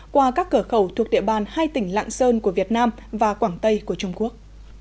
qua các cửa khẩu thuộc địa bàn hai tỉnh lạng sơn của việt nam và quảng tây của trung quốc